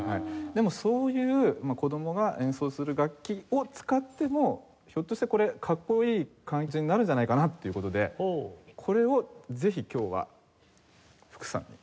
でもそういう子どもが演奏する楽器を使ってもひょっとしてこれかっこいい感じになるんじゃないかなっていう事でこれをぜひ今日は福さんに。